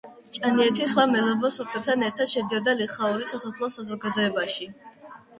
ჭანიეთი, სხვა მეზობელ სოფლებთან ერთად, შედიოდა ლიხაურის სასოფლო საზოგადოებაში.